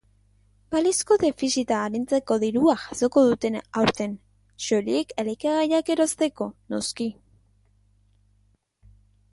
Balizko defizita arintzeko dirua jasoko dute aurten, soilik elikagaiak erosteko, noski.